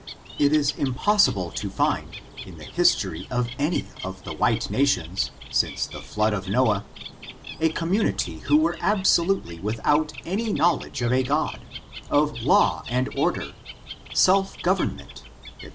It is impossible to find, in the history of any of the white nations, since the flood of Noah, a community who were absolutely without any knowledge of a God, of law and order, self government, &c.